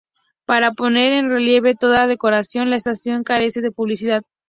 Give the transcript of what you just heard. Para poner en relieve toda la decoración, la estación carece de publicidad.